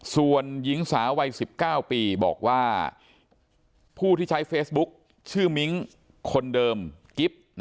ส่วนหญิงสาววัย๑๙ปีบอกว่าผู้ที่ใช้เฟซบุ๊กชื่อมิ้งคนเดิมกิ๊บ